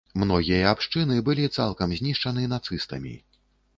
Многія абшчыны былі цалкам знішчаны нацыстамі.